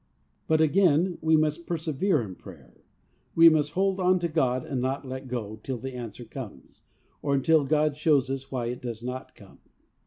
But again, we must persevere in prayer. We must hold on to God, and not let go till the answer comes, or until God shows us why it does not come.